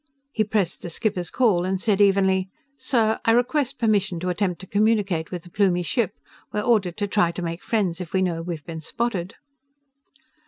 He pressed the skipper's call and said evenly: "Sir, I request permission to attempt to communicate with the Plumie ship. We're ordered to try to make friends if we know we've been spotted."